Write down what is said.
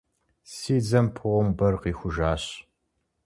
Си дзэм пломбэр къихужащ.